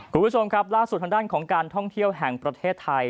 คุณผู้ชมครับล่าสุดทางด้านของการท่องเที่ยวแห่งประเทศไทย